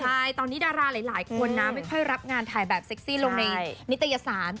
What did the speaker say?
ใช่ตอนนี้ดาราหลายคนนะไม่ค่อยรับงานถ่ายแบบเซ็กซี่ลงในนิตยสาร